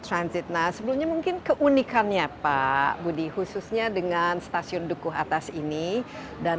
transit nah sebelumnya mungkin keunikannya pak budi khususnya dengan stasiun dukuh atas ini dan